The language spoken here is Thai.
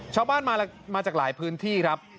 ชาวบ้านมาจากหลายพื้นที่ครับ